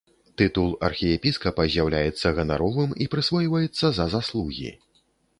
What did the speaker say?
Тытул архіепіскапа з'яўляецца ганаровым і прысвойваецца за заслугі.